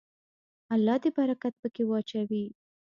الله دې برکت پکې واچوي.